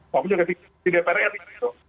maupun juga di dprs itu